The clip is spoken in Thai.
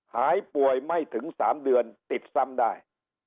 หายป่วยไม่ถึง๓เดือนติดซ้ำได้